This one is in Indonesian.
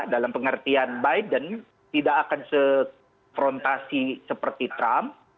dalam pengertian biden tidak akan sefrontasi seperti trump